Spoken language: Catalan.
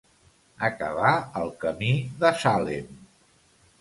Acabar al camí de Salem.